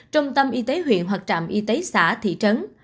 trung tâm y tế huyện hoặc trạm y tế xã thị trấn